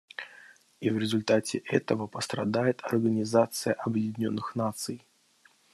И в результате этого пострадает Организация Объединенных Наций.